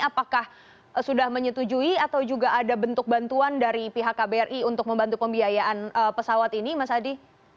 apakah sudah menyetujui atau juga ada bentuk bantuan dari pihak kbri untuk membantu pembiayaan pesawat ini mas adi